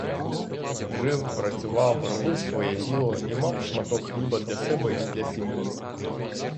Жив, працював, робив своє діло і мав шматок хліба для себе і для сім'ї.